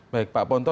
baik pak ponto